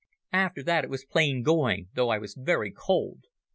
"After that it was plain going, though I was very cold.